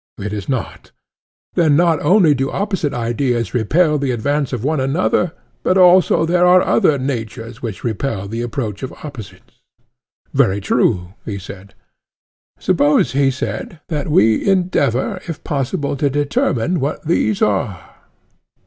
It is not. Then not only do opposite ideas repel the advance of one another, but also there are other natures which repel the approach of opposites. Very true, he said. Suppose, he said, that we endeavour, if possible, to determine what these are.